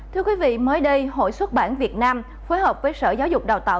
thưa quý vị mới đây hội xuất bản việt nam phối hợp với sở giáo dục đào tạo